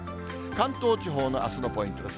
関東地方のあすのポイントです。